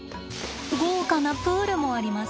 豪華なプールもあります。